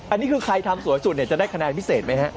อันนี้คือใครทำสวยสุดจะได้คะแนนพิเศษไหมฮะ